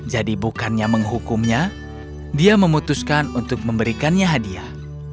jadi bukannya menghukumnya dia memutuskan untuk memberikannya hadiah